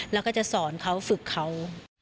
แล้วก็จะสอนเขาฝึกเขา